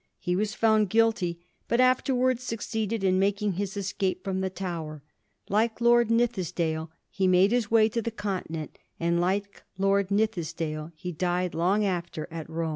He was found guilty, but afterwai'ds succeeded in making his escape from the Tower. Like Lord Nithisdale, he made his way to the Continent ; and, like Lord Nithisdale, he died long after at Rome.